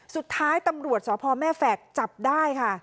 สุดท้ายตำรวจสพแม่แฝกจับได้ค่ะ